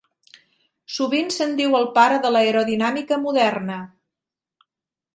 Sovint se'n diu el pare de l'aerodinàmica moderna.